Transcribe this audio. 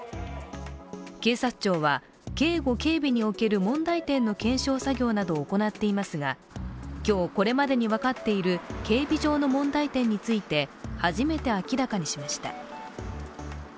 警察庁は警護警備における問題点の検証作業などを行っていますが今日、これまでに分かっている警備上の問題点について初めて明らかにしました。